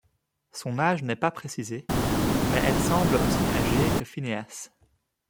Son âge n'est pas précisé, mais elle semble aussi âgée que Phinéas.